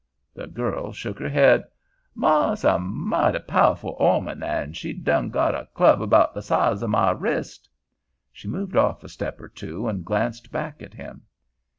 The girl shook her head. "Ma's a moughty pow'ful 'oman, and she done got a club 'bout the size o' my wrist." She moved off a step or so, and glanced back at him.